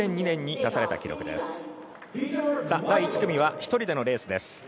２００２年に出された記録です。